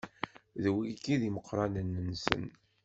D wigi i d imeqranen-nsen.